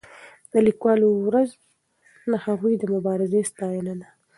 د لیکوالو ورځ د هغوی د مبارزې ستاینه ده.